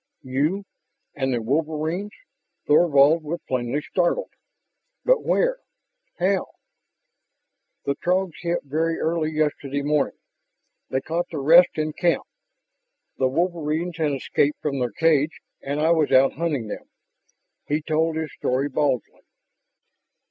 "You ... and the wolverines?" Thorvald was plainly startled. "But ... where? How?" "The Throgs hit very early yesterday morning. They caught the rest in camp. The wolverines had escaped from their cage, and I was out hunting them...." He told his story baldly.